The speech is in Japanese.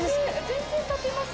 全然立てます